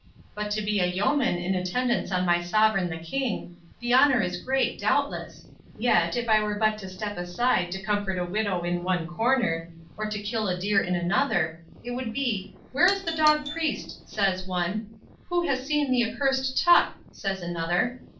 —But to be a yeoman in attendance on my sovereign the King—the honour is great, doubtless—yet, if I were but to step aside to comfort a widow in one corner, or to kill a deer in another, it would be, 'where is the dog Priest?' says one. 'Who has seen the accursed Tuck?' says another.